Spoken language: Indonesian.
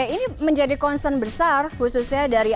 ini menjadi concern besar khususnya dari